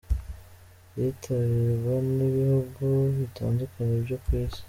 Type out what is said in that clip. Yitabirwa n’ibihugu bitandukanye byo ku isi.